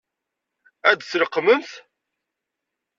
Ad t-leqqment?